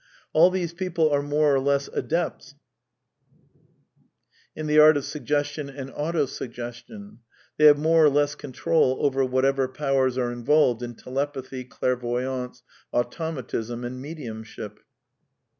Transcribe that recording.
All / these people are more or less adepts in the art of sug gestion and auto suggestion ; they have more or less control over whatever powers are involved in telepathy, clair voyance, automatism, and mediumship.